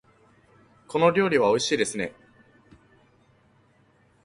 この料理はおいしいですね。